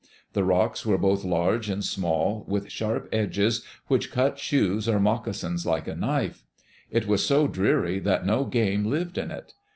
The rocks were both large and small, with sharp edges which cut shoes or moccasins like a knife. It was so dreary that no game lived in it.